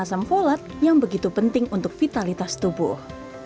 dan asam folat yang begitu penting untuk vitalitas tubuh